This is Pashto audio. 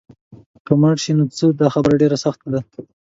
که مړه شي نو څه؟ دا خبره ډېره سخته ده.